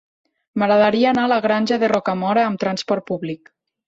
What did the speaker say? M'agradaria anar a la Granja de Rocamora amb transport públic.